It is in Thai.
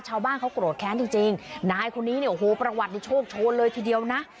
ชาวบ้านเขาโกรธแค้นจริงจริงนายคนนี้เนี่ยโอ้โหประวัตินี่โชคโชนเลยทีเดียวนะ